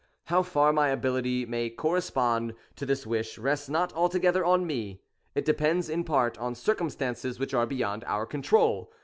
— How far my ability may correspond to this wish, rests not altogether on me, — it depends in part upon circumstances which are beyond our control.